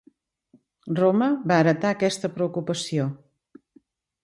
Roma va heretar aquesta preocupació.